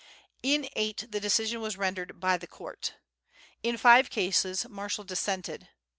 In eight the decision was rendered "by the court." In five cases Marshall dissented.